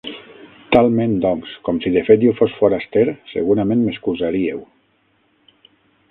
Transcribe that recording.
Talment, doncs, com si de fet jo fos foraster segurament m'excusaríeu.